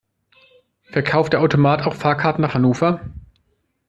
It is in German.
Verkauft der Automat auch Fahrkarten nach Hannover?